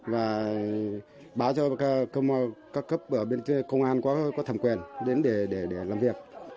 và báo cho các cấp ở bên công an có thẩm quyền đến để làm việc